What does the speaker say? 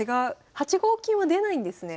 ８五金は出ないんですね。